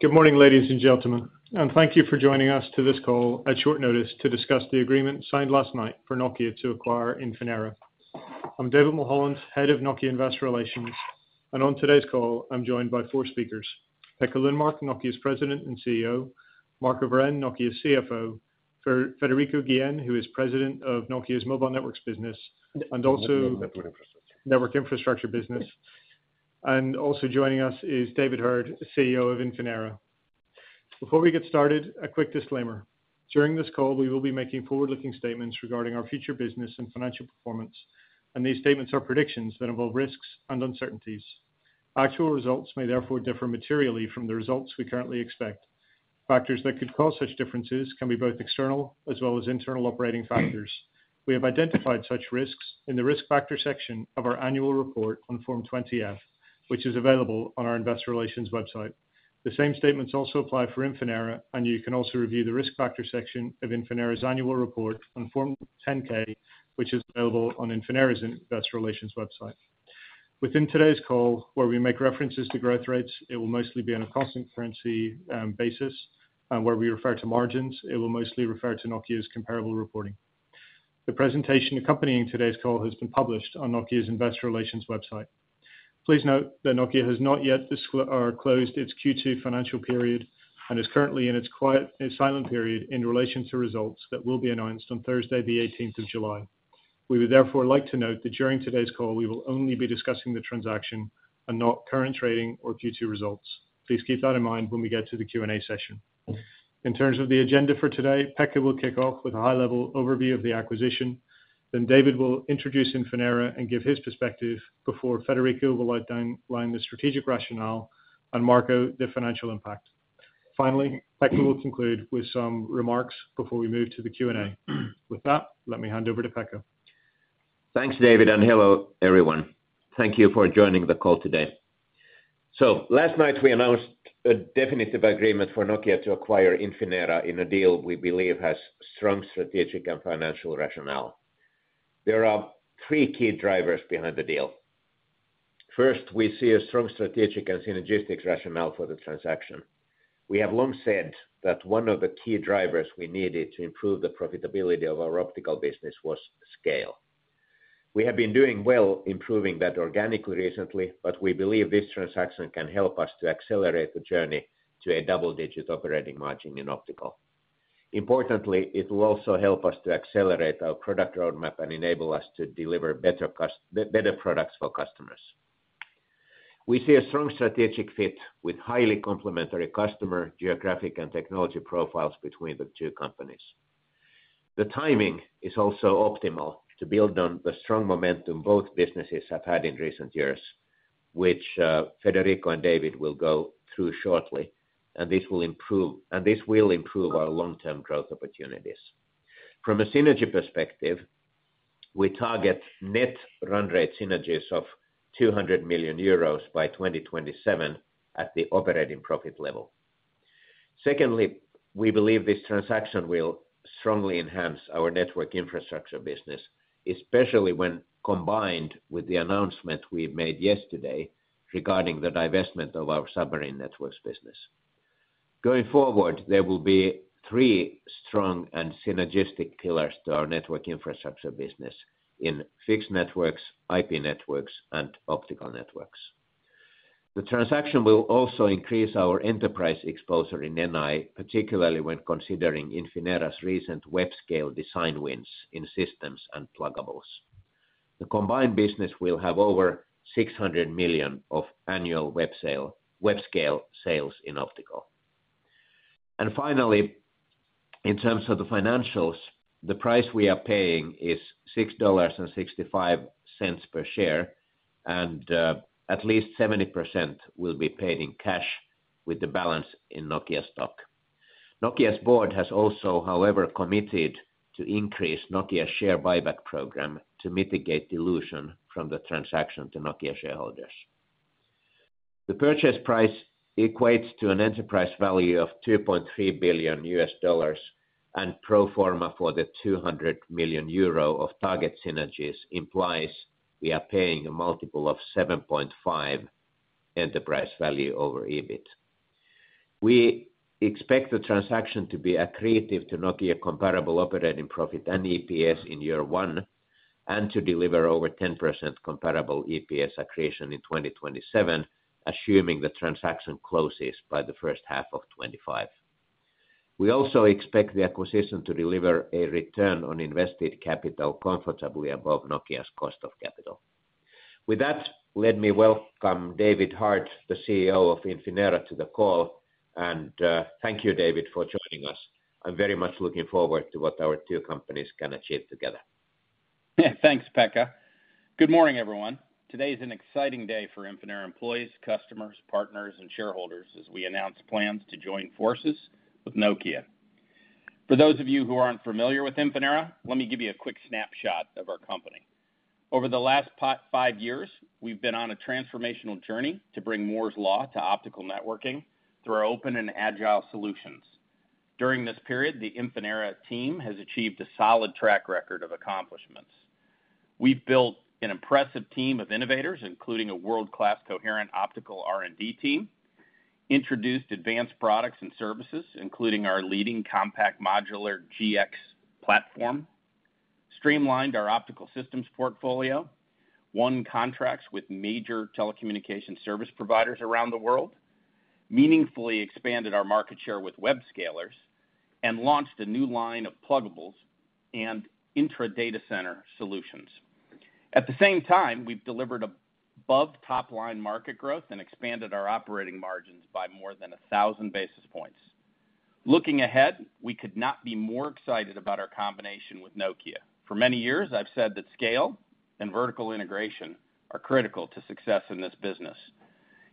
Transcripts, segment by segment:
Good morning, ladies and gentlemen, and thank you for joining us to this call at short notice to discuss the agreement signed last night for Nokia to acquire Infinera. I'm David Mulholland, Head of Nokia Investor Relations, and on today's call, I'm joined by four speakers: Pekka Lundmark, Nokia's President and CEO; Marco Wirén, Nokia's CFO; Federico Guillén, who is President of Nokia's Mobile Networks Business, and also Network Infrastructure Business. Also joining us is David Heard, CEO of Infinera. Before we get started, a quick disclaimer. During this call, we will be making forward-looking statements regarding our future business and financial performance, and these statements are predictions that involve risks and uncertainties. Actual results may therefore differ materially from the results we currently expect. Factors that could cause such differences can be both external as well as internal operating factors. We have identified such risks in the risk factor section of our annual report on Form 20-F, which is available on our investor relations website. The same statements also apply for Infinera, and you can also review the risk factor section of Infinera's annual report on Form 10-K, which is available on Infinera's investor relations website. Within today's call, where we make references to growth rates, it will mostly be on a constant currency basis, and where we refer to margins, it will mostly refer to Nokia's comparable reporting. The presentation accompanying today's call has been published on Nokia's Investor Relations website. Please note that Nokia has not yet closed its Q2 financial period and is currently in its quiet and silent period in relation to results that will be announced on Thursday, the eighteenth of July. We would therefore like to note that during today's call, we will only be discussing the transaction and not current trading or Q2 results. Please keep that in mind when we get to the Q&A session. In terms of the agenda for today, Pekka will kick off with a high-level overview of the acquisition. Then David will introduce Infinera and give his perspective before Federico will outline the strategic rationale and Marco, the financial impact. Finally, Pekka will conclude with some remarks before we move to the Q&A. With that, let me hand over to Pekka. Thanks, David, and hello, everyone. Thank you for joining the call today. So last night, we announced a definitive agreement for Nokia to acquire Infinera in a deal we believe has strong strategic and financial rationale. There are three key drivers behind the deal. First, we see a strong strategic and synergistic rationale for the transaction. We have long said that one of the key drivers we needed to improve the profitability of our optical business was scale. We have been doing well improving that organically, recently, but we believe this transaction can help us to accelerate the journey to a double-digit operating margin in optical. Importantly, it will also help us to accelerate our product roadmap and enable us to deliver better products for customers. We see a strong strategic fit with highly complementary customer, geographic, and technology profiles between the two companies. The timing is also optimal to build on the strong momentum both businesses have had in recent years, which, Federico and David will go through shortly, and this will improve our long-term growth opportunities. From a synergy perspective, we target net run rate synergies of 200 million euros by 2027 at the operating profit level. Secondly, we believe this transaction will strongly enhance our network infrastructure business, especially when combined with the announcement we made yesterday regarding the divestment of our submarine networks business. Going forward, there will be three strong and synergistic pillars to our network infrastructure business: in fixed networks, IP networks, and optical networks. The transaction will also increase our enterprise exposure in NI, particularly when considering Infinera's recent web scale design wins in systems and pluggables. The combined business will have over 600 million of annual web scale sales in optical. Finally, in terms of the financials, the price we are paying is $6.65 per share, and at least 70% will be paid in cash with the balance in Nokia stock. Nokia's board has also, however, committed to increase Nokia's share buyback program to mitigate dilution from the transaction to Nokia shareholders. The purchase price equates to an enterprise value of $2.3 billion, and pro forma for the 200 million euro of target synergies implies we are paying a multiple of 7.5 enterprise value over EBIT. We expect the transaction to be accretive to Nokia comparable operating profit and EPS in year 1, and to deliver over 10% comparable EPS accretion in 2027, assuming the transaction closes by the first half of 2025. We also expect the acquisition to deliver a return on invested capital comfortably above Nokia's cost of capital. With that, let me welcome David Heard, the CEO of Infinera, to the call. And, thank you, David, for joining us. I'm very much looking forward to what our two companies can achieve together. Thanks, Pekka. Good morning, everyone. Today is an exciting day for Infinera employees, customers, partners, and shareholders, as we announce plans to join forces with Nokia. For those of you who aren't familiar with Infinera, let me give you a quick snapshot of our company. Over the last five years, we've been on a transformational journey to bring Moore's Law to optical networking through our open and agile solutions. During this period, the Infinera team has achieved a solid track record of accomplishments. We've built an impressive team of innovators, including a world-class coherent optical R&D team, introduced advanced products and services, including our leading compact modular GX platform, streamlined our optical systems portfolio, won contracts with major telecommunication service providers around the world, meaningfully expanded our market share with web scalers, and launched a new line of pluggables and intra-data center solutions. At the same time, we've delivered above top line market growth and expanded our operating margins by more than 1,000 basis points. Looking ahead, we could not be more excited about our combination with Nokia. For many years, I've said that scale and vertical integration are critical to success in this business.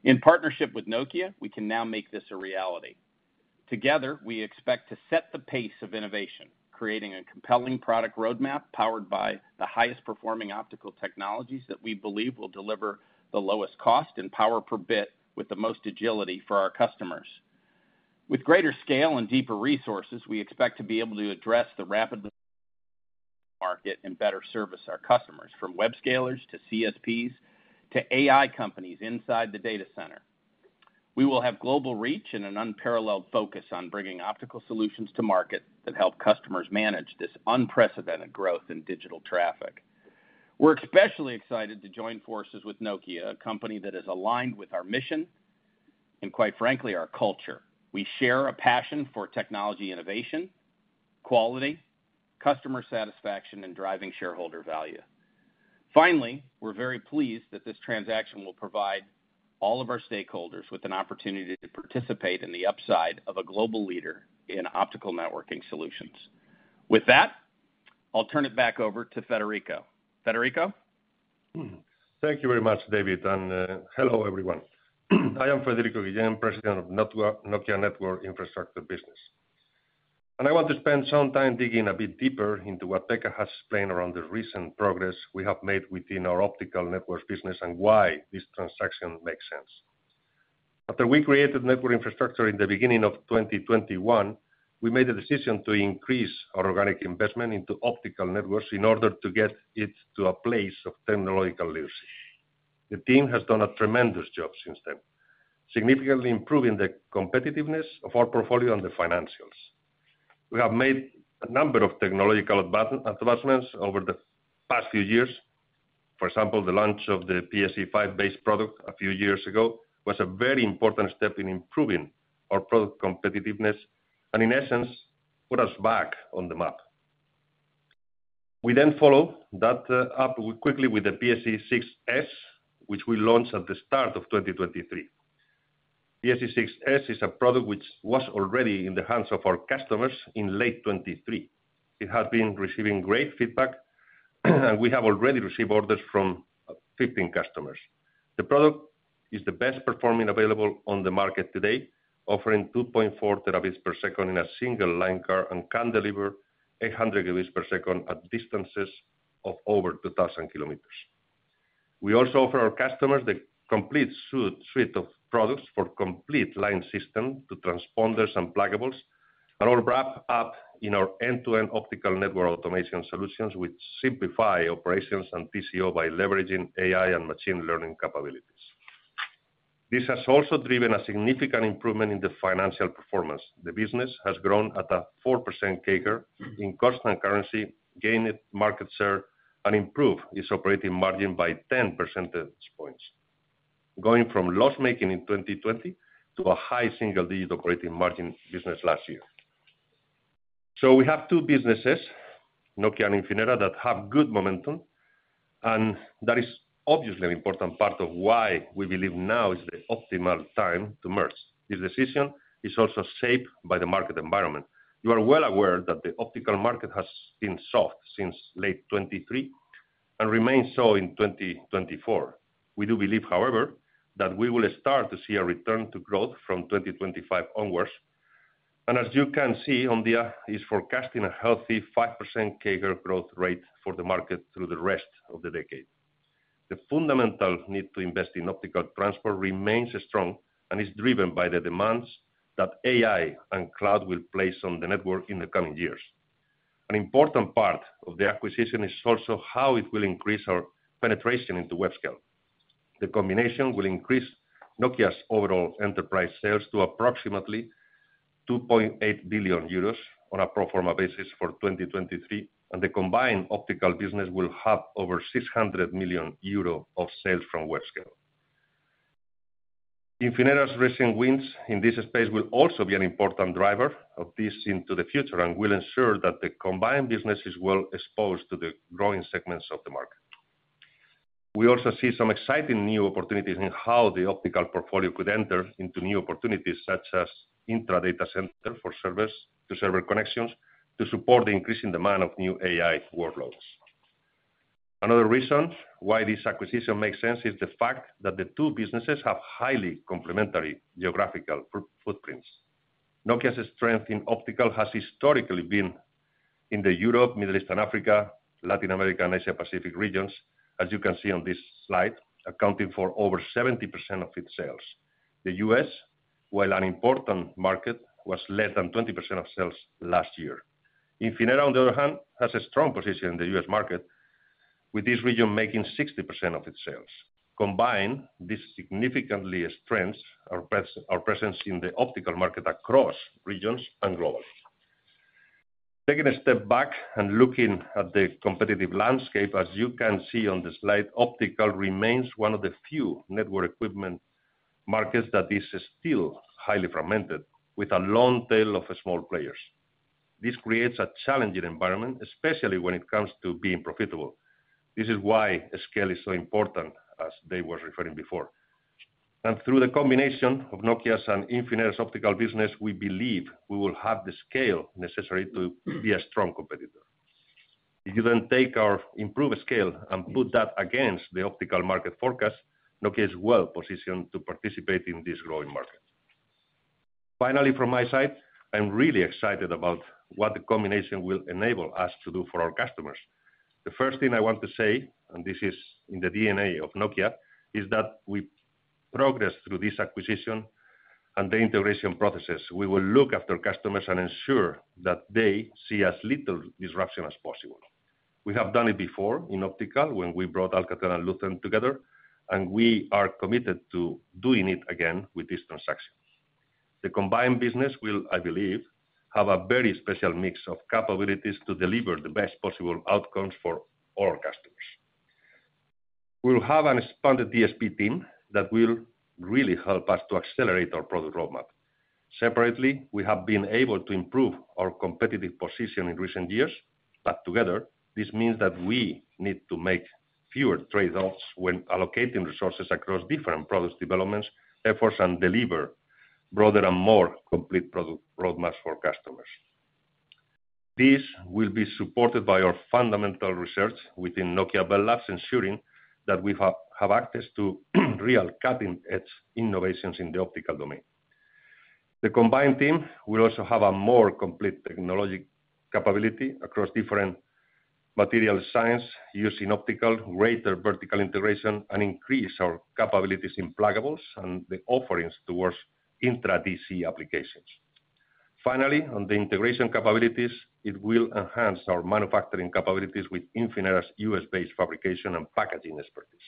In partnership with Nokia, we can now make this a reality. Together, we expect to set the pace of innovation, creating a compelling product roadmap, powered by the highest performing optical technologies that we believe will deliver the lowest cost and power per bit with the most agility for our customers. With greater scale and deeper resources, we expect to be able to address the rapidly market and better service our customers, from web scalers to CSPs, to AI companies inside the data center. We will have global reach and an unparalleled focus on bringing optical solutions to market that help customers manage this unprecedented growth in digital traffic. We're especially excited to join forces with Nokia, a company that is aligned with our mission and quite frankly, our culture. We share a passion for technology innovation, quality, customer satisfaction, and driving shareholder value. Finally, we're very pleased that this transaction will provide all of our stakeholders with an opportunity to participate in the upside of a global leader in optical networking solutions. With that, I'll turn it back over to Federico. Federico? Thank you very much, David, and, hello, everyone. I am Federico Guillén, President of Nokia Network Infrastructure Business. I want to spend some time digging a bit deeper into what Pekka has explained around the recent progress we have made within our optical network business and why this transaction makes sense. After we created network infrastructure in the beginning of 2021, we made a decision to increase our organic investment into optical networks in order to get it to a place of technological usage. The team has done a tremendous job since then, significantly improving the competitiveness of our portfolio and the financials. We have made a number of technological advancements over the past few years. For example, the launch of the PSE-Vs base product a few years ago was a very important step in improving our product competitiveness, and in essence, put us back on the map. We then followed that up quickly with the PSE-6s, which we launched at the start of 2023. PSE-6s is a product which was already in the hands of our customers in late 2023. It has been receiving great feedback, and we have already received orders from 15 customers. The product is the best performing available on the market today, offering 2.4 Tb/s in a single line card, and can deliver 800 Gb/s at distances of over 2,000 kilometers. We also offer our customers the complete suite of products for open line system to transponders and pluggables, and all wrapped up in our end-to-end optical network automation solutions, which simplify operations and TCO by leveraging AI and machine learning capabilities. This has also driven a significant improvement in the financial performance. The business has grown at a 4% CAGR in constant currency, gained market share and improved its operating margin by 10 percentage points, going from loss-making in 2020, to a high single-digit operating margin business last year. So we have two businesses, Nokia and Infinera, that have good momentum, and that is obviously an important part of why we believe now is the optimal time to merge. This decision is also shaped by the market environment. You are well aware that the optical market has been soft since late 2023 and remains so in 2024. We do believe, however, that we will start to see a return to growth from 2025 onwards, and as you can see, Omdia is forecasting a healthy 5% CAGR growth rate for the market through the rest of the decade. The fundamental need to invest in optical transport remains strong and is driven by the demands that AI and cloud will place on the network in the coming years. An important part of the acquisition is also how it will increase our penetration into web scale. The combination will increase Nokia's overall enterprise sales to approximately 2.8 billion euros on a pro forma basis for 2023, and the combined optical business will have over 600 million euro of sales from web scale. Infinera's recent wins in this space will also be an important driver of this into the future and will ensure that the combined business is well exposed to the growing segments of the market. We also see some exciting new opportunities in how the optical portfolio could enter into new opportunities, such as intra-data center for server-to-server connections, to support the increasing demand of new AI workloads. Another reason why this acquisition makes sense, is the fact that the two businesses have highly complementary geographical footprints. Nokia's strength in optical has historically been in the Europe, Middle East and Africa, Latin America, and Asia Pacific regions... as you can see on this slide, accounting for over 70% of its sales. The U.S., while an important market, was less than 20% of sales last year. Infinera, on the other hand, has a strong position in the US market, with this region making 60% of its sales. Combined, this significantly strengthens our our presence in the optical market across regions and growth. Taking a step back and looking at the competitive landscape, as you can see on the slide, optical remains one of the few network equipment markets that is still highly fragmented, with a long tail of small players. This creates a challenging environment, especially when it comes to being profitable. This is why scale is so important, as Dave was referring before. And through the combination of Nokia's and Infinera's optical business, we believe we will have the scale necessary to be a strong competitor. If you then take our improved scale and put that against the optical market forecast, Nokia is well positioned to participate in this growing market. Finally, from my side, I'm really excited about what the combination will enable us to do for our customers. The first thing I want to say, and this is in the DNA of Nokia, is that we progress through this acquisition and the integration processes. We will look after customers and ensure that they see as little disruption as possible. We have done it before in optical, when we brought Alcatel and Lucent together, and we are committed to doing it again with this transaction. The combined business will, I believe, have a very special mix of capabilities to deliver the best possible outcomes for all our customers. We'll have an expanded DSP team that will really help us to accelerate our product roadmap. Separately, we have been able to improve our competitive position in recent years, but together, this means that we need to make fewer trade-offs when allocating resources across different products, developments, efforts, and deliver broader and more complete product roadmaps for customers. This will be supported by our fundamental research within Nokia Bell Labs, ensuring that we have access to real cutting-edge innovations in the optical domain. The combined team will also have a more complete technology capability across different material science using optical, greater vertical integration, and increase our capabilities in pluggables and the offerings towards intra-DC applications. Finally, on the integration capabilities, it will enhance our manufacturing capabilities with Infinera's U.S.-based fabrication and packaging expertise.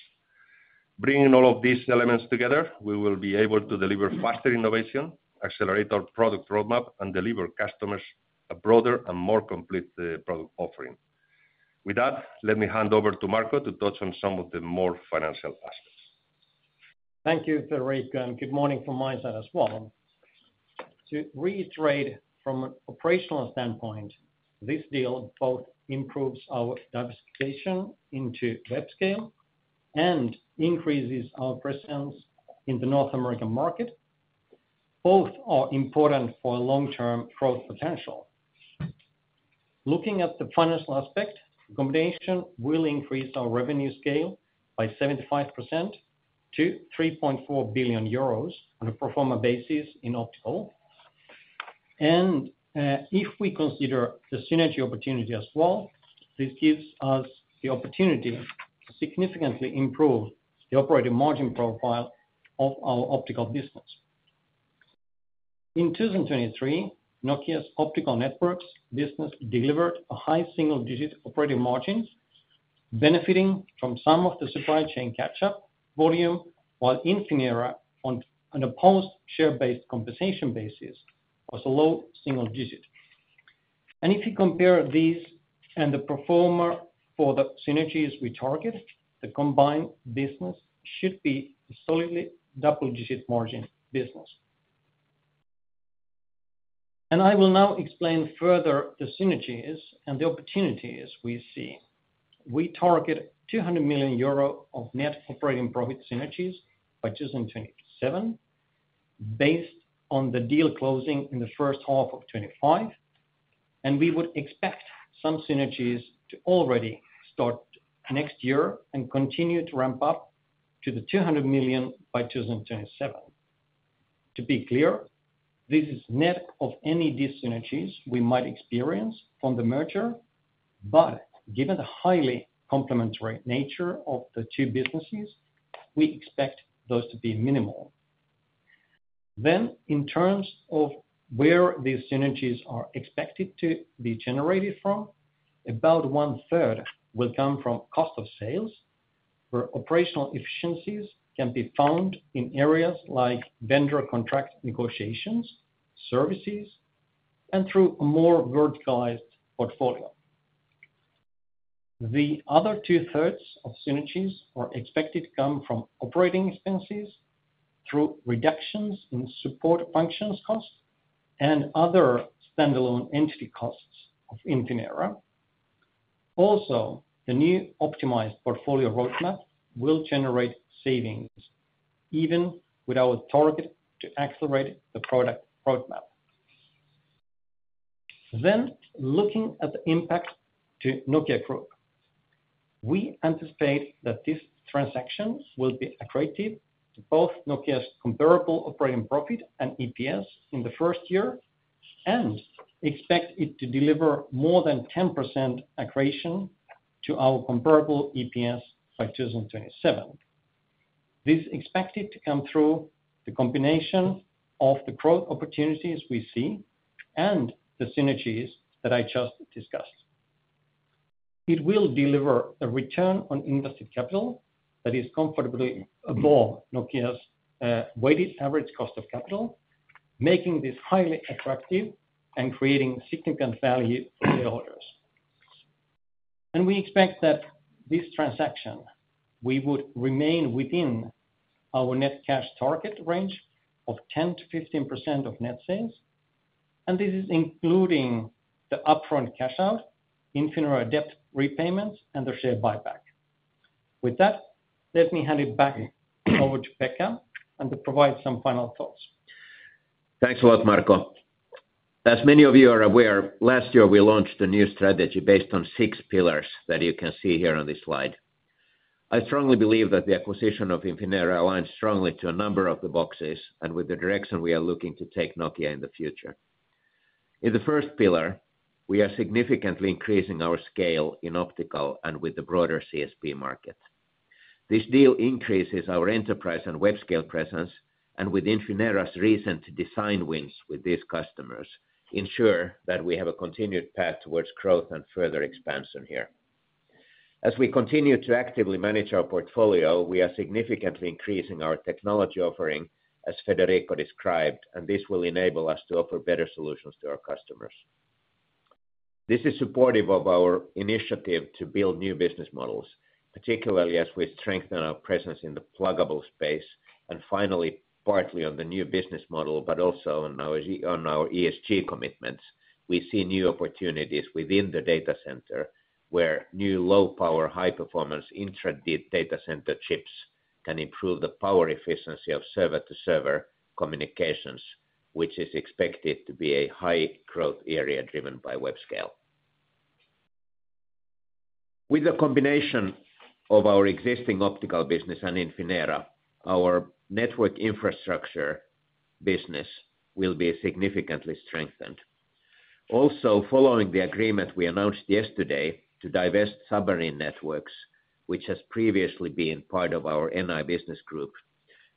Bringing all of these elements together, we will be able to deliver faster innovation, accelerate our product roadmap, and deliver customers a broader and more complete product offering. With that, let me hand over to Marco to touch on some of the more financial aspects. Thank you, Federico, and good morning from my side as well. To reiterate, from an operational standpoint, this deal both improves our diversification into web scale and increases our presence in the North American market. Both are important for long-term growth potential. Looking at the financial aspect, combination will increase our revenue scale by 75% to 3.4 billion euros on a pro forma basis in optical. And, if we consider the synergy opportunity as well, this gives us the opportunity to significantly improve the operating margin profile of our optical business. In 2023, Nokia's optical networks business delivered a high single-digit operating margins, benefiting from some of the supply chain catch-up volume, while Infinera on a post-share-based compensation basis, was a low single digit. If you compare these and the pro forma for the synergies we target, the combined business should be a solidly double-digit margin business. I will now explain further the synergies and the opportunities we see. We target 200 million euro of net operating profit synergies by 2027, based on the deal closing in the first half of 2025, and we would expect some synergies to already start next year and continue to ramp up to the 200 million by 2027. To be clear, this is net of any dyssynergies we might experience from the merger, but given the highly complementary nature of the two businesses, we expect those to be minimal. Then, in terms of where these synergies are expected to be generated from, about one-third will come from cost of sales, where operational efficiencies can be found in areas like vendor contract negotiations, services, and through a more verticalized portfolio. The other two-thirds of synergies are expected to come from operating expenses through reductions in support functions costs and other standalone entity costs of Infinera. Also, the new optimized portfolio roadmap will generate savings, even with our target to accelerate the product roadmap. Then, looking at the impact to Nokia Group, we anticipate that these transactions will be accretive to both Nokia's comparable operating profit and EPS in the first year... and expect it to deliver more than 10% accretion to our comparable EPS by 2027. This is expected to come through the combination of the growth opportunities we see and the synergies that I just discussed. It will deliver a return on invested capital that is comfortably above Nokia's weighted average cost of capital, making this highly attractive and creating significant value for shareholders. And we expect that this transaction, we would remain within our net cash target range of 10%-15% of net sales, and this is including the upfront cash out, Infinera debt repayments, and the share buyback. With that, let me hand it back over to Pekka and to provide some final thoughts. Thanks a lot, Marco. As many of you are aware, last year we launched a new strategy based on six pillars that you can see here on this slide. I strongly believe that the acquisition of Infinera aligns strongly to a number of the boxes and with the direction we are looking to take Nokia in the future. In the first pillar, we are significantly increasing our scale in optical and with the broader CSP market. This deal increases our enterprise and web-scale presence, and with Infinera's recent design wins with these customers, ensure that we have a continued path towards growth and further expansion here. As we continue to actively manage our portfolio, we are significantly increasing our technology offering, as Federico described, and this will enable us to offer better solutions to our customers. This is supportive of our initiative to build new business models, particularly as we strengthen our presence in the pluggable space, and finally, partly on the new business model, but also on our ESG commitments. We see new opportunities within the data center, where new low power, high performance, intra data center chips can improve the power efficiency of server-to-server communications, which is expected to be a high growth area driven by web scale. With the combination of our existing optical business and Infinera, our network infrastructure business will be significantly strengthened. Also, following the agreement we announced yesterday to divest submarine networks, which has previously been part of our NI business group,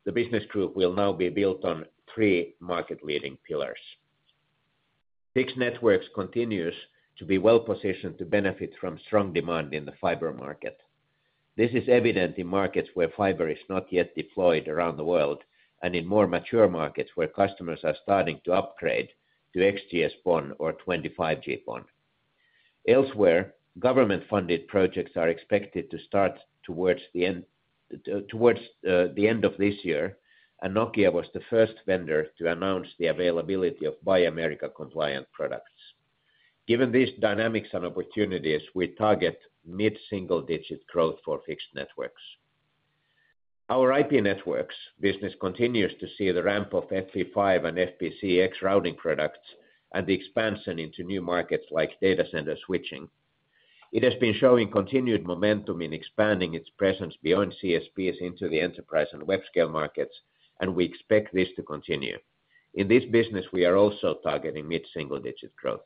the business group will now be built on three market-leading pillars. Fixed Networks continues to be well positioned to benefit from strong demand in the fiber market. This is evident in markets where fiber is not yet deployed around the world, and in more mature markets where customers are starting to upgrade to XGS-PON or 25G PON. Elsewhere, government-funded projects are expected to start towards the end of this year, and Nokia was the first vendor to announce the availability of Buy America compliant products. Given these dynamics and opportunities, we target mid-single-digit growth for Fixed Networks. Our IP Networks business continues to see the ramp of FP5 and FPcx routing products and the expansion into new markets like data center switching. It has been showing continued momentum in expanding its presence beyond CSPs into the enterprise and web scale markets, and we expect this to continue. In this business, we are also targeting mid-single-digit growth.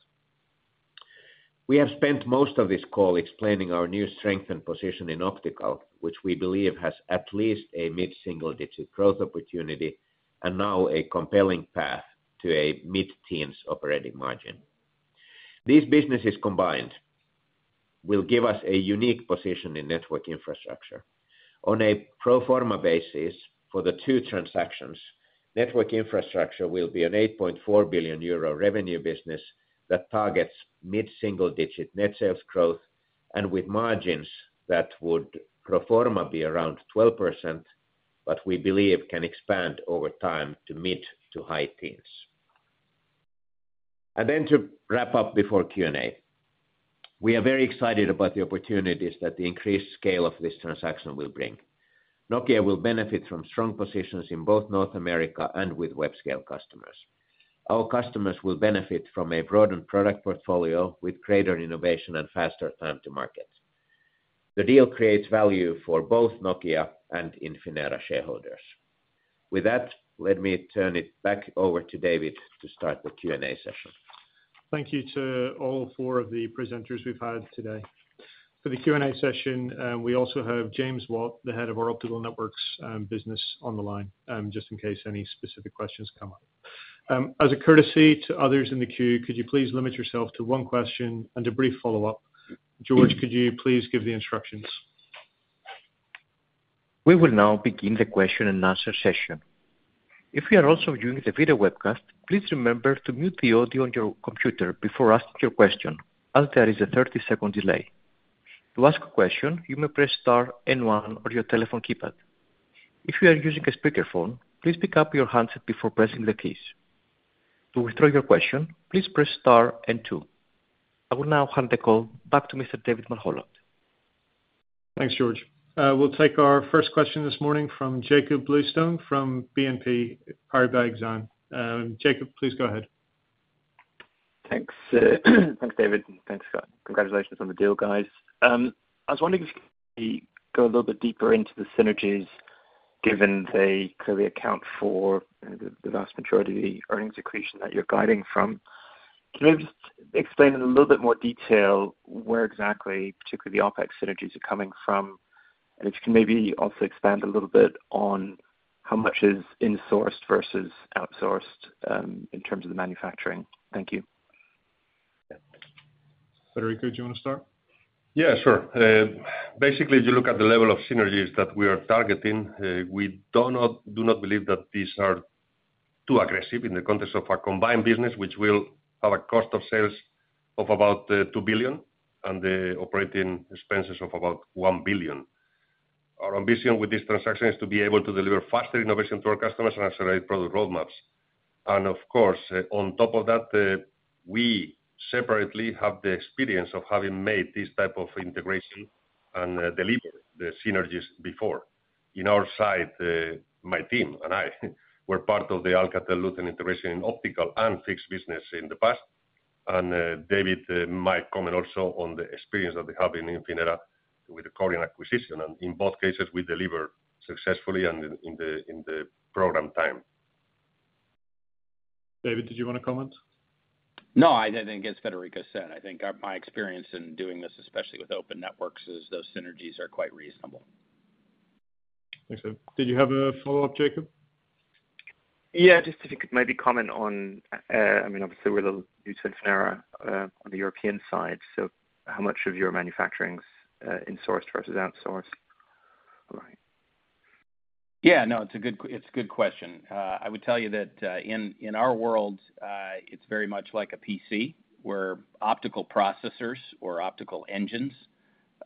We have spent most of this call explaining our new strength and position in optical, which we believe has at least a mid-single-digit growth opportunity, and now a compelling path to a mid-teens operating margin. These businesses combined will give us a unique position in Network Infrastructure. On a pro forma basis for the two transactions, Network Infrastructure will be a 8.4 billion euro revenue business that targets mid-single-digit net sales growth, and with margins that would pro forma be around 12%, but we believe can expand over time to mid- to high-teens. And then to wrap up before Q&A, we are very excited about the opportunities that the increased scale of this transaction will bring. Nokia will benefit from strong positions in both North America and with web-scale customers. Our customers will benefit from a broadened product portfolio with greater innovation and faster time to market. The deal creates value for both Nokia and Infinera shareholders. With that, let me turn it back over to David to start the Q&A session. Thank you to all four of the presenters we've had today. For the Q&A session, we also have James Watt, the head of our optical networks business, on the line, just in case any specific questions come up. As a courtesy to others in the queue, could you please limit yourself to one question and a brief follow-up? George, could you please give the instructions? We will now begin the question and answer session. If you are also viewing the video webcast, please remember to mute the audio on your computer before asking your question, as there is a 30-second delay. To ask a question, you may press star and one on your telephone keypad. If you are using a speakerphone, please pick up your handset before pressing the keys. To withdraw your question, please press star and two. I will now hand the call back to Mr. David Mulholland. Thanks, George. We'll take our first question this morning from Jakob Bluestone, from BNP Paribas Exane. Jacob, please go ahead. Thanks, thanks, David, and thanks, Scott. Congratulations on the deal, guys. I was wondering if you could go a little bit deeper into the synergies- Given they clearly account for the vast majority of the earnings accretion that you're guiding from, can you just explain in a little bit more detail where exactly, particularly the OpEx synergies are coming from? And if you can maybe also expand a little bit on how much is insourced versus outsourced, in terms of the manufacturing. Thank you. Federico, do you wanna start? Yeah, sure. Basically, if you look at the level of synergies that we are targeting, we do not, do not believe that these are too aggressive in the context of our combined business, which will have a cost of sales of about 2 billion and the operating expenses of about 1 billion. Our ambition with this transaction is to be able to deliver faster innovation to our customers and accelerate product roadmaps. And of course, on top of that, we separately have the experience of having made this type of integration and delivered the synergies before. In our side, my team and I were part of the Alcatel-Lucent integration in optical and fixed business in the past. David might comment also on the experience of the hub in Infinera with the Coriant acquisition, and in both cases, we delivered successfully and in the program time. David, did you want to comment? No, I think as Federico said, I think my experience in doing this, especially with open networks, is those synergies are quite reasonable. Thanks, David. Did you have a follow-up, Jacob? Yeah, just if you could maybe comment on, I mean, obviously, we're a little new to Infinera, on the European side, so how much of your manufacturing's, insourced versus outsourced? Right. Yeah, no, it's a good question. I would tell you that, in our world, it's very much like a PC, where optical processors or optical engines,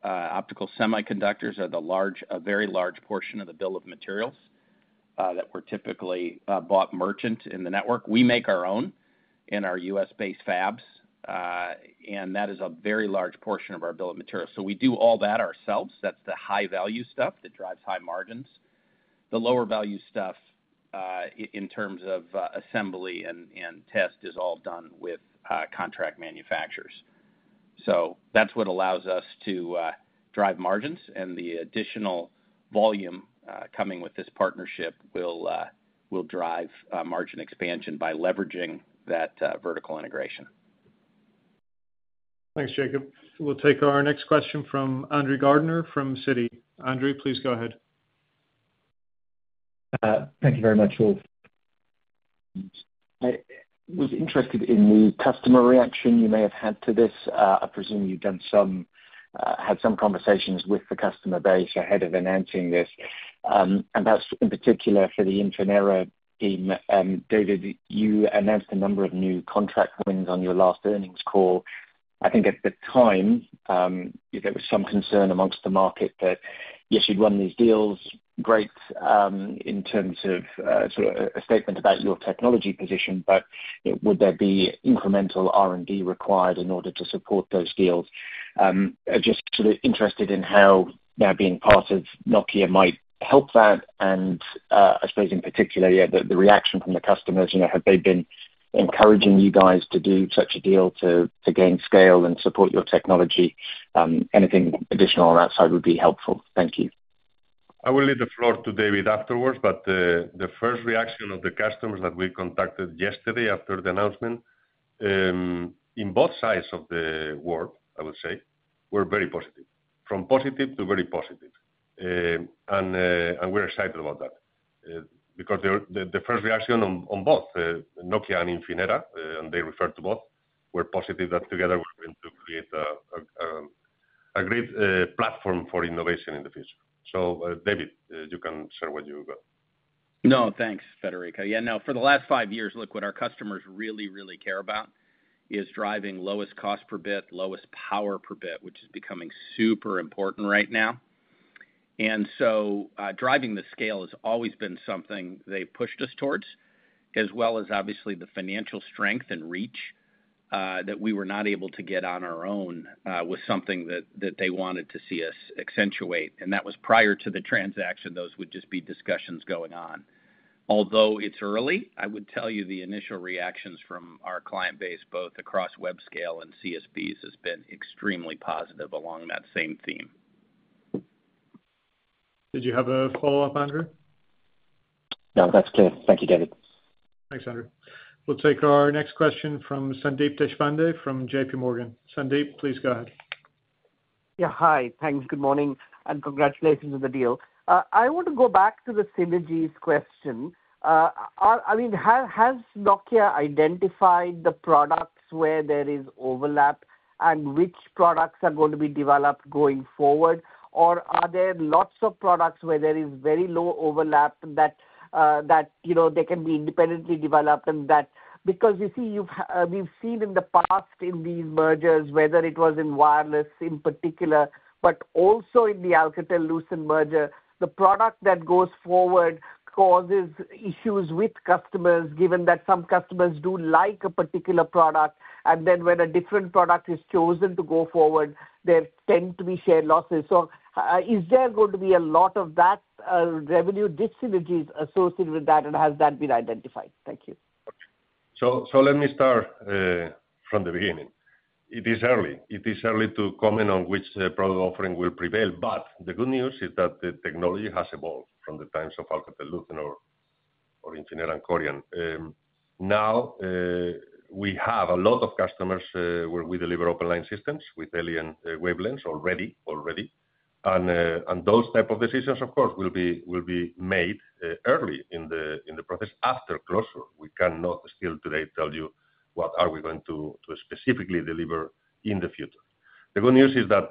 optical semiconductors are a very large portion of the bill of materials that were typically bought merchant in the network. We make our own in our U.S.-based fabs, and that is a very large portion of our bill of materials. So we do all that ourselves. That's the high-value stuff that drives high margins. The lower-value stuff, in terms of assembly and test, is all done with contract manufacturers. So that's what allows us to drive margins, and the additional volume coming with this partnership will drive margin expansion by leveraging that vertical integration. Thanks, Jacob. We'll take our next question from Andrew Gardiner from Citi. Andrew, please go ahead. Thank you very much, all. I was interested in the customer reaction you may have had to this. I presume you've had some conversations with the customer base ahead of announcing this, and perhaps in particular, for the Infinera team. David, you announced a number of new contract wins on your last earnings call. I think at the time, there was some concern among the market that, yes, you'd won these deals, great, in terms of, sort of a statement about your technology position, but, you know, would there be incremental R&D required in order to support those deals? Just sort of interested in how now being part of Nokia might help that and, I suppose in particular, yeah, the reaction from the customers. You know, have they been encouraging you guys to do such a deal to gain scale and support your technology? Anything additional on that side would be helpful. Thank you. I will leave the floor to David afterwards, but the first reaction of the customers that we contacted yesterday after the announcement in both sides of the world, I would say, were very positive, from positive to very positive. And we're excited about that, because they're... The first reaction on both Nokia and Infinera, and they referred to both, were positive that together we're going to create a great platform for innovation in the future. So, David, you can share what you've got. No, thanks, Federico. Yeah, now, for the last five years, look, what our customers really, really care about is driving lowest cost per bit, lowest power per bit, which is becoming super important right now. And so, driving the scale has always been something they pushed us towards, as well as obviously the financial strength and reach, that we were not able to get on our own, was something that, that they wanted to see us accentuate, and that was prior to the transaction. Those would just be discussions going on. Although it's early, I would tell you the initial reactions from our client base, both across web scale and CSPs, has been extremely positive along that same theme. Did you have a follow-up, Andrew? No, that's clear. Thank you, David. Thanks, Andrew. We'll take our next question from Sandeep Deshpande from J.P. Morgan. Sandeep, please go ahead. Yeah, hi. Thanks, good morning, and congratulations on the deal. I want to go back to the synergies question. I mean, has Nokia identified the products where there is overlap, and which products are going to be developed going forward? Or are there lots of products where there is very low overlap that, that, you know, they can be independently developed and that... Because you see, you've, we've seen in the past in these mergers, whether it was in wireless in particular, but also in the Alcatel-Lucent merger, the product that goes forward causes issues with customers, given that some customers do like a particular product, and then when a different product is chosen to go forward, there tend to be share losses. Is there going to be a lot of that, revenue dis-synergies associated with that, and has that been identified? Thank you. Let me start from the beginning. It is early to comment on which product offering will prevail, but the good news is that the technology has evolved from the times of Alcatel-Lucent or Infinera and Coriant. Now, we have a lot of customers where we deliver open line systems with alien wavelengths already. Those type of decisions, of course, will be made early in the process after closure. We cannot still today tell you what we are going to specifically deliver in the future. The good news is that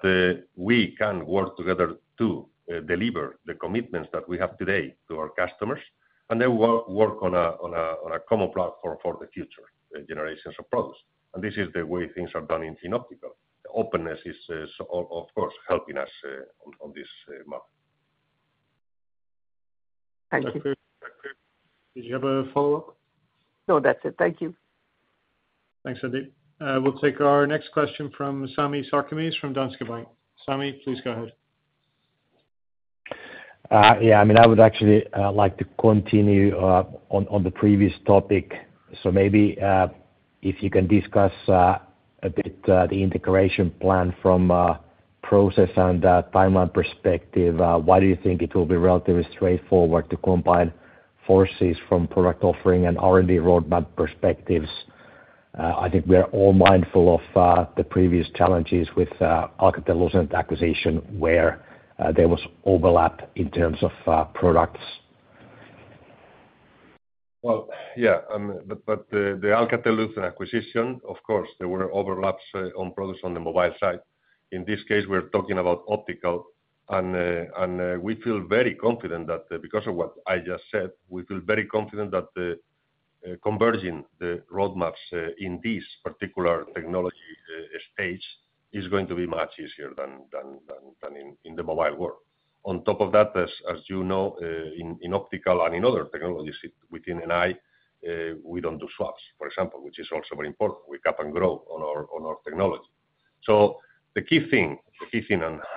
we can work together to deliver the commitments that we have today to our customers, and then work on a common platform for the future generations of products. And this is the way things are done in in optical. The openness is, of course, helping us on this model. Thank you. Did you have a follow-up? No, that's it. Thank you. Thanks, Sandy. We'll take our next question from Sami Sarkamies, from Danske Bank. Sami, please go ahead. Yeah, I mean, I would actually like to continue on the previous topic. So maybe if you can discuss a bit the integration plan from a process and a timeline perspective, why do you think it will be relatively straightforward to combine forces from product offering and R&D roadmap perspectives? I think we're all mindful of the previous challenges with Alcatel-Lucent acquisition, where there was overlap in terms of products. Well, yeah, but the Alcatel-Lucent acquisition, of course, there were overlaps on products on the mobile side. In this case, we're talking about optical and we feel very confident that because of what I just said, we feel very confident that converging the roadmaps in this particular technology stage is going to be much easier than in the mobile world. On top of that, as you know, in optical and in other technologies within NI, we don't do swaps, for example, which is also very important. We cap and grow on our technology. So the key thing,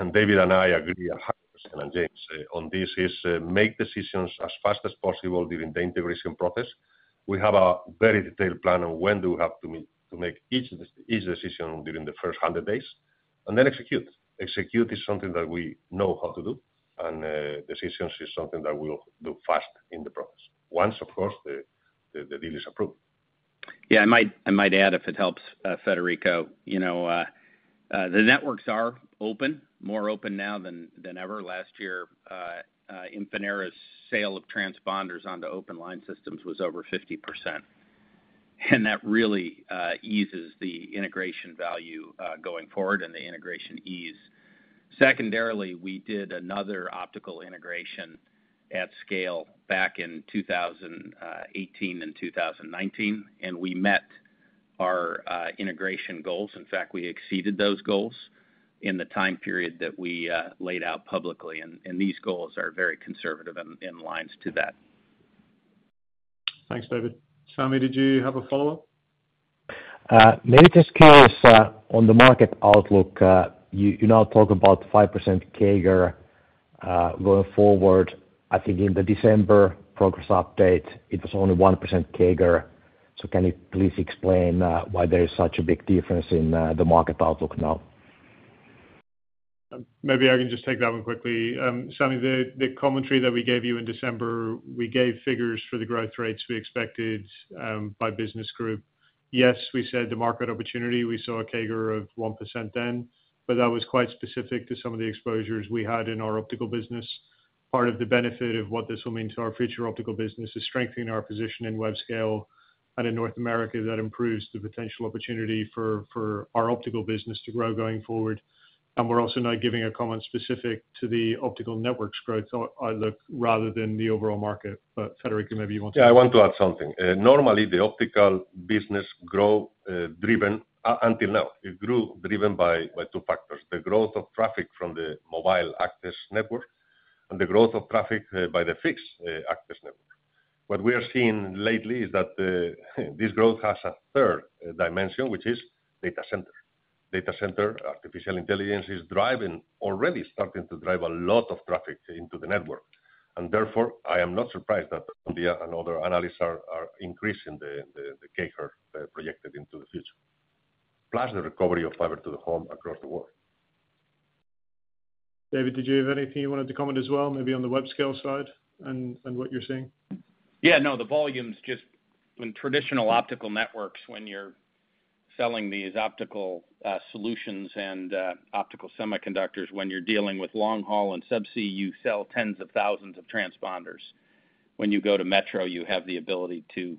and David and I agree 100%, and James on this, is make decisions as fast as possible during the integration process. We have a very detailed plan on when do we have to make each decision during the first 100 days, and then execute. Execute is something that we know how to do, and decisions is something that we'll do fast in the process, once, of course, the deal is approved. Yeah, I might add, if it helps, Federico, you know, the networks are open, more open now than ever. Last year, Infinera's sale of transponders on the open line systems was over 50%. And that really eases the integration value going forward and the integration ease. Secondarily, we did another optical integration at scale back in 2018 and 2019, and we met our integration goals. In fact, we exceeded those goals in the time period that we laid out publicly, and these goals are very conservative in line with that. Thanks, David. Sami, did you have a follow-up? Maybe just curious, on the market outlook, you now talk about 5% CAGR, going forward. I think in the December progress update, it was only 1% CAGR. So can you please explain, why there is such a big difference in, the market outlook now? Maybe I can just take that one quickly. Sami, the commentary that we gave you in December, we gave figures for the growth rates we expected by business group. Yes, we said the market opportunity, we saw a CAGR of 1% then, but that was quite specific to some of the exposures we had in our optical business. Part of the benefit of what this will mean to our future optical business is strengthening our position in web scale and in North America. That improves the potential opportunity for our optical business to grow going forward. And we're also now giving a comment specific to the optical networks growth outlook rather than the overall market. But Federico, maybe you want to- Yeah, I want to add something. Normally, the optical business grew driven by until now, it grew driven by two factors: the growth of traffic from the mobile access network and the growth of traffic by the fixed access network. What we are seeing lately is that this growth has a third dimension, which is data center. Data center, artificial intelligence, is driving... Already starting to drive a lot of traffic into the network, and therefore, I am not surprised that Omdia and other analysts are increasing the CAGR projected into the future, plus the recovery of fiber to the home across the world. David, did you have anything you wanted to comment as well, maybe on the Web scale side and what you're seeing? Yeah, no, the volumes just when traditional optical networks, when you're selling these optical solutions and optical semiconductors, when you're dealing with long haul and subsea, you sell tens of thousands of transponders. When you go to metro, you have the ability to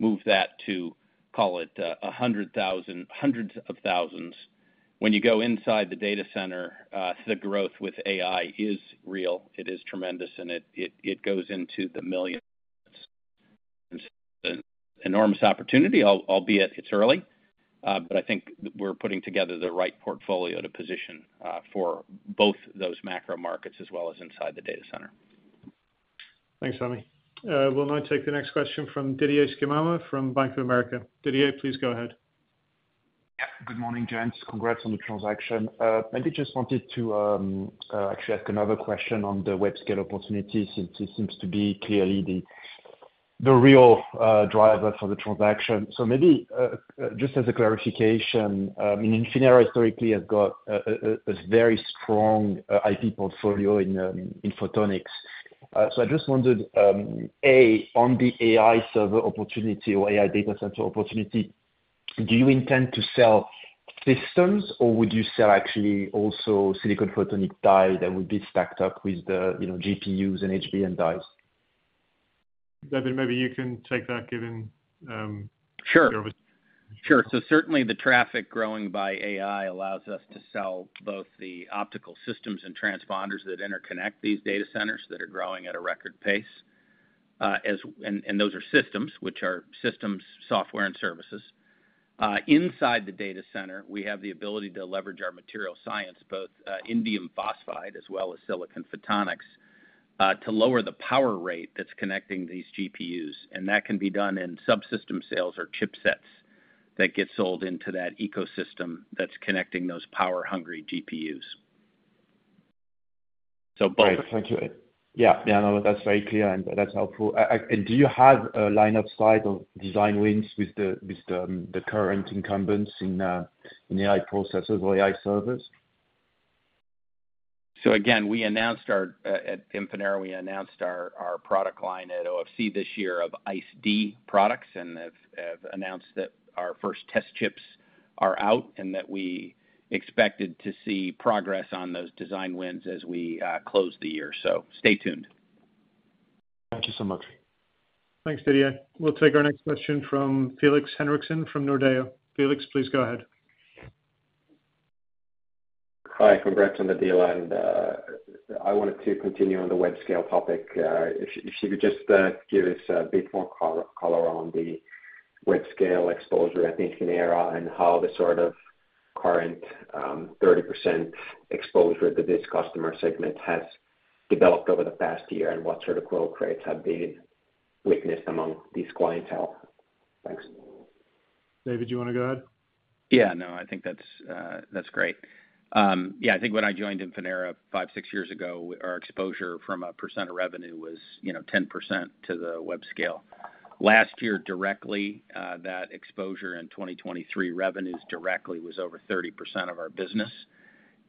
move that to, call it, 100,000, hundreds of thousands. When you go inside the data center, the growth with AI is real, it is tremendous, and it, it, it goes into the millions. Enormous opportunity, albeit it's early, but I think we're putting together the right portfolio to position for both those macro markets as well as inside the data center. Thanks, Sami. We'll now take the next question from Didier Scemama, from Bank of America. Didier, please go ahead. Good morning, gents. Congrats on the transaction. Maybe just wanted to actually ask another question on the web scale opportunity, since it seems to be clearly the real driver for the transaction. So maybe just as a clarification, Infinera historically has got a very strong IP portfolio in photonics. So I just wondered, on the AI server opportunity or AI data center opportunity, do you intend to sell systems, or would you sell actually also silicon photonics dies that would be stacked up with the, you know, GPUs and HBM dies? David, maybe you can take that given, Sure. your- Sure. So certainly the traffic growing by AI allows us to sell both the optical systems and transponders that interconnect these data centers that are growing at a record pace. And those are systems, which are systems, software, and services. Inside the data center, we have the ability to leverage our material science, both indium phosphide as well as silicon photonics, to lower the power rate that's connecting these GPUs, and that can be done in subsystem sales or chipsets that get sold into that ecosystem that's connecting those power-hungry GPUs. So both- Great. Thank you. Yeah, yeah, no, that's very clear, and that's helpful. And do you have a line of sight or design wins with the current incumbents in AI processors or AI servers? So again, at Infinera, we announced our product line at OFC this year of ICE-D products and have announced that our first test chips are out and that we expected to see progress on those design wins as we close the year. So stay tuned. Thank you so much. Thanks, Didier. We'll take our next question from Felix Henriksson from Nordea. Felix, please go ahead. Hi. Congrats on the deal, and I wanted to continue on the web scale topic. If you could just give us a bit more color on the web scale exposure at Infinera and how the sort of current 30% exposure to this customer segment has developed over the past year, and what sort of growth rates have been witnessed among this clientele? Thanks. David, you wanna go ahead? Yeah, no, I think that's, that's great. Yeah, I think when I joined Infinera 5, 6 years ago, our exposure from a percent of revenue was, you know, 10% to the web scale. Last year directly, that exposure in 2023 revenues directly was over 30% of our business,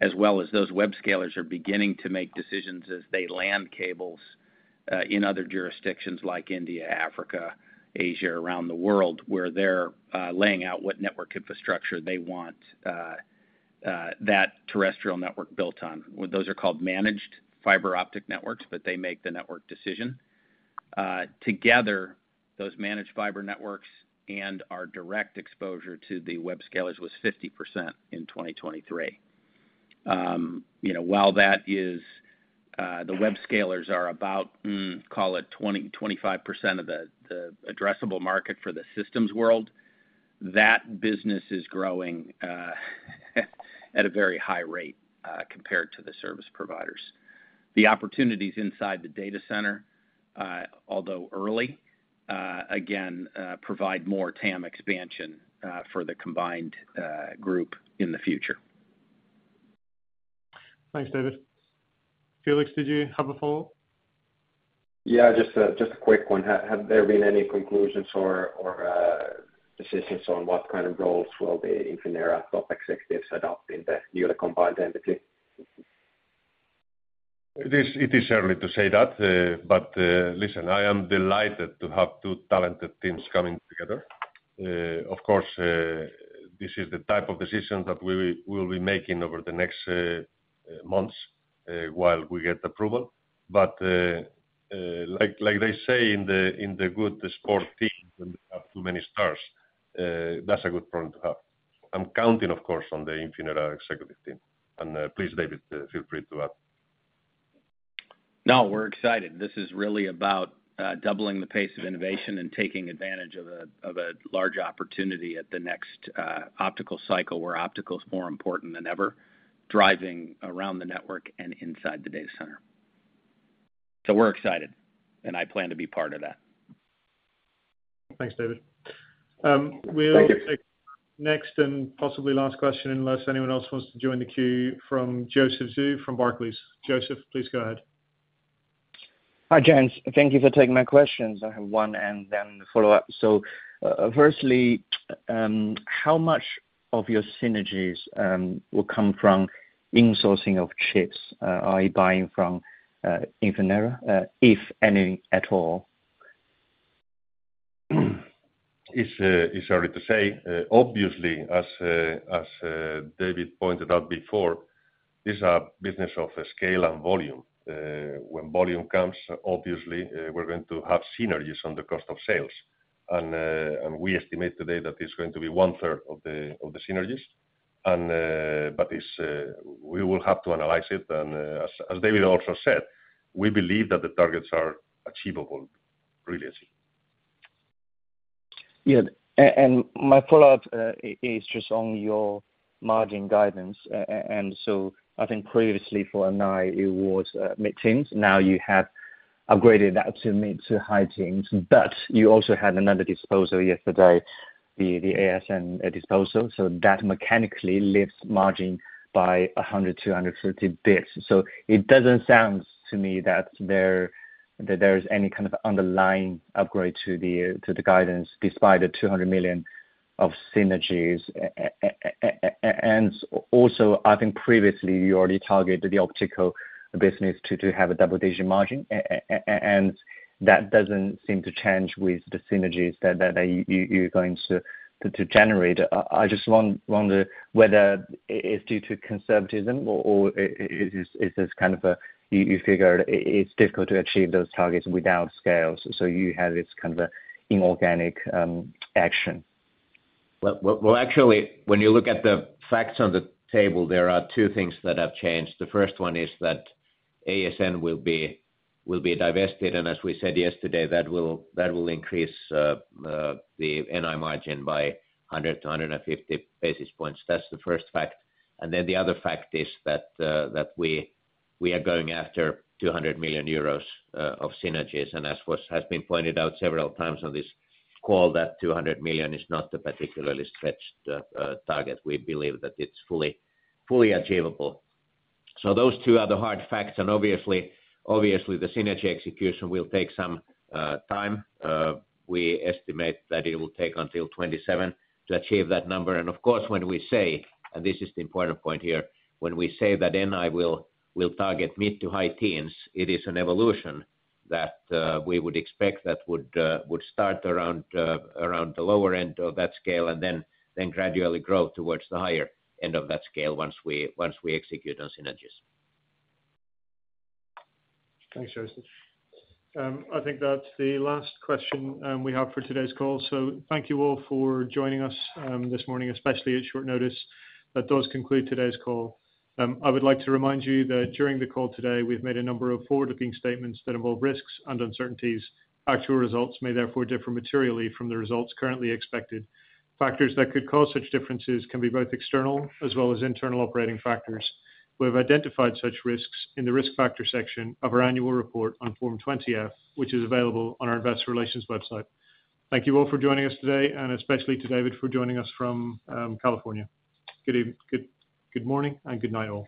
as well as those web scalers are beginning to make decisions as they land cables, in other jurisdictions like India, Africa, Asia, around the world, where they're, laying out what network infrastructure they want, that terrestrial network built on. Those are called managed fiber optic networks, but they make the network decision. Together, those managed fiber networks and our direct exposure to the web scalers was 50% in 2023. You know, while that is, the web scalers are about, call it 20-25% of the addressable market for the systems world, that business is growing at a very high rate compared to the service providers. The opportunities inside the data center, although early, again, provide more TAM expansion for the combined group in the future. Thanks, David. Felix, did you have a follow-up? Yeah, just a quick one. Have there been any conclusions or decisions on what kind of roles will the Infinera top executives adopt in the newly combined entity? It is early to say that, but listen, I am delighted to have two talented teams coming together. Of course, this is the type of decisions that we'll be making over the next months while we get approval. But, like, like they say in the good sport teams, when you have too many stars, that's a good problem to have. I'm counting, of course, on the Infinera executive team. And, please, David, feel free to add. No, we're excited. This is really about doubling the pace of innovation and taking advantage of a large opportunity at the next optical cycle, where optical's more important than ever, driving around the network and inside the data center. So we're excited, and I plan to be part of that. Thanks, David. We'll- Thank you Take next and possibly last question, unless anyone else wants to join the queue, from Joseph Zhou from Barclays. Joseph, please go ahead. Hi, gents. Thank you for taking my questions. I have one and then a follow-up. So, firstly, how much of your synergies will come from insourcing of chips? Are you buying from Infinera, if any at all? It's early to say. Obviously, as David pointed out before, this is a business of scale and volume. When volume comes, obviously, we're going to have synergies on the cost of sales. And we estimate today that it's going to be one third of the synergies. But it's, we will have to analyze it, and as David also said, we believe that the targets are achievable, really achieve. Yeah. And my follow-up is just on your margin guidance. And so I think previously for NI, it was mid-teens. Now you have- Upgraded that to mid to high teens, but you also had another disposal yesterday, the ASN disposal, so that mechanically lifts margin by 100 to 250 bits. So it doesn't sound to me that there is any kind of underlying upgrade to the guidance, despite the 200 million of synergies. And also, I think previously, you already targeted the optical business to have a double-digit margin, and that doesn't seem to change with the synergies that you are going to generate. I just wonder whether it's due to conservatism or is this kind of a, you figured it's difficult to achieve those targets without scales, so you have this kind of a inorganic action? Well, well, well, actually, when you look at the facts on the table, there are two things that have changed. The first one is that ASN will be, will be divested, and as we said yesterday, that will, that will increase the NI margin by 100 to 150 basis points. That's the first fact. And then the other fact is that we are going after 200 million euros of synergies. And as what has been pointed out several times on this call, that 200 million is not a particularly stretched target. We believe that it's fully, fully achievable. So those two are the hard facts, and obviously, obviously, the synergy execution will take some time. We estimate that it will take until 2027 to achieve that number. Of course, when we say, and this is the important point here, when we say that NI will target mid- to high-teens, it is an evolution that we would expect that would start around the lower end of that scale, and then gradually grow towards the higher end of that scale once we execute on synergies. Thanks, Joseph. I think that's the last question we have for today's call. So thank you all for joining us this morning, especially at short notice. That does conclude today's call. I would like to remind you that during the call today, we've made a number of forward-looking statements that involve risks and uncertainties. Actual results may therefore differ materially from the results currently expected. Factors that could cause such differences can be both external as well as internal operating factors. We've identified such risks in the risk factor section of our annual report on Form 20-F, which is available on our investor relations website. Thank you all for joining us today, and especially to David for joining us from California. Good morning and good night, all.